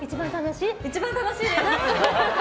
一番楽しいです！